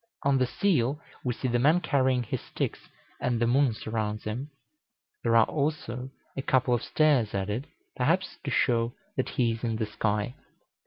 On the seal we see the man carrying his sticks, and the moon surrounds him. There are also a couple of stars added, perhaps to show that he is in the sky.